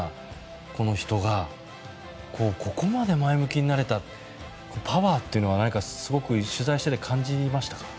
この人がここまで前向きになれたパワーというのは取材してて感じましたか？